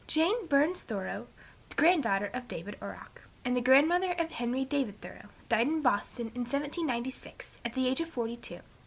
Jane (Burns) Thoreau, the granddaughter of David Orrok, and the grandmother of Henry David Thoreau, died in Boston, in 1796, at the age of forty two.